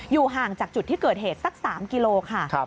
ห่างจากจุดที่เกิดเหตุสัก๓กิโลค่ะ